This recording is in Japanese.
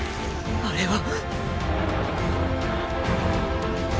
あれは。